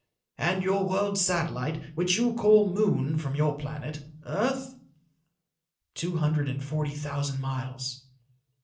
"And your world's satellite which you call moon from your planet earth?" "Two hundred and forty thousand miles."